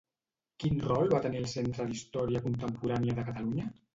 Quin rol va tenir al Centre d'Història Contemporània de Catalunya?